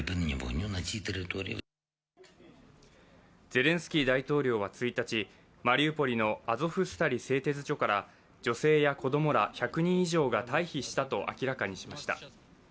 ゼレンスキー大統領は１日、マリウポリのアゾフスタリ製鉄所から女性や子供ら１００人以上が退避したと明らかにしました。